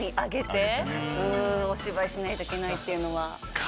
お芝居しないといけないっていうのは。